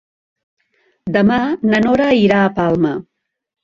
Demà na Nora irà a Palma.